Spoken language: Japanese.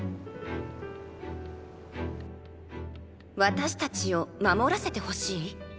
私たちを守らせてほしい？